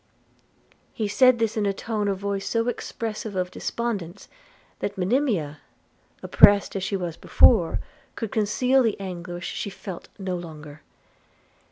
He said this in a tone of voice so expressive of despondence, that Monimia, oppressed as she was before, could conceal the anguish she felt no longer.